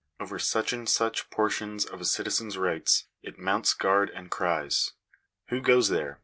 Over such and such portions of a citizen's rights it mounts guard and cries —" Who goes there